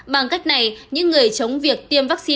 bằng cách này những người chống việc tiêm vaccine